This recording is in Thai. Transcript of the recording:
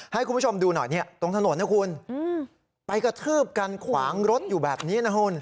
ให้คุณผู้ชมดูหน่อยเนี่ยตรงถนนนะคุณไปกระทืบกันขวางรถอยู่แบบนี้นะคุณ